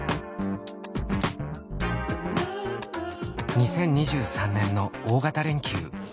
２０２３年の大型連休。